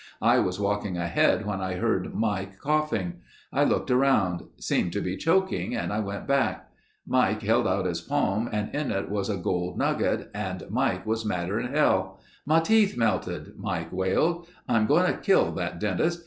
I was walking ahead when I heard Mike coughing. I looked around. Seemed to be choking and I went back. Mike held out his palm and in it was a gold nugget and Mike was madder'n hell. 'My teeth melted,' Mike wailed. 'I'm going to kill that dentist.